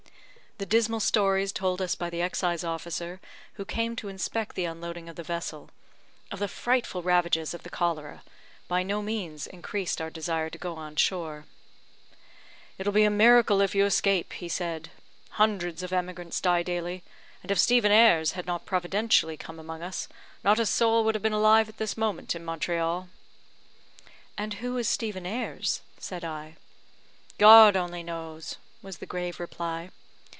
The dismal stories told us by the excise officer who came to inspect the unloading of the vessel, of the frightful ravages of the cholera, by no means increased our desire to go on shore. "It will be a miracle if you escape," he said. "Hundreds of emigrants die daily; and if Stephen Ayres had not providentally come among us, not a soul would have been alive at this moment in Montreal." "And who is Stephen Ayres?" said I. "God only knows," was the grave reply.